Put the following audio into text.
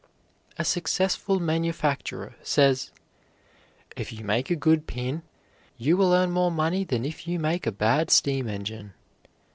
A successful manufacturer says: "If you make a good pin, you will earn more money than if you make a bad steam engine."